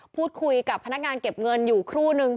พูดคุยกับพนักงานเก็บเงินอยู่ครู่นึง